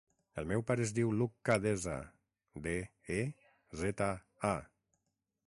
El meu pare es diu Lucca Deza: de, e, zeta, a.